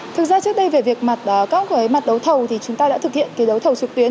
thực ra trước đây về việc mặt các mặt đấu thầu thì chúng ta đã thực hiện cái đấu thầu trực tuyến